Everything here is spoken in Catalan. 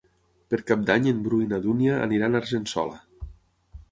Per Cap d'Any en Bru i na Dúnia aniran a Argençola.